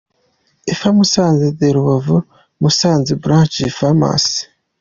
Ephar, Musanze, De Rubavu Musanze Branch Pharmacy.